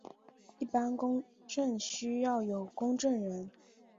一般公证需要有公证人。